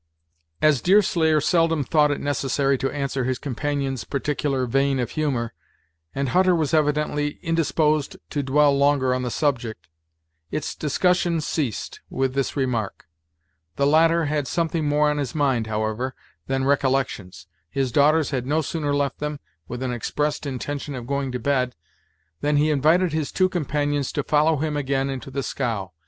As Deerslayer seldom thought it necessary to answer his companion's peculiar vein of humor, and Hutter was evidently indisposed to dwell longer on the subject, it's discussion ceased with this remark. The latter had something more on his mind, however, than recollections. His daughters had no sooner left them, with an expressed intention of going to bed, than he invited his two companions to follow him again into the scow.